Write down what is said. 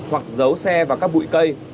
hoặc giấu xe vào các bụi cây